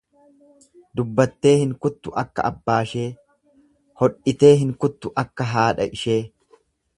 Dubbattee hin kuttu akka abbaashee, hodhitee hin kuttu akka haadha ishee.